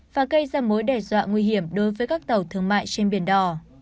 và gây ra mối đe dọa nguy hiểm đối với các tàu thương mại trên biển đỏ